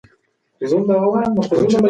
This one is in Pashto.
ایا سوات د کابل په څېر غرونه لري؟